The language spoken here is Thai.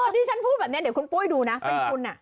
ที่ฉันพูดแบบนี้เดี๋ยวคุณปุ้ยดูนะเป็นคุณ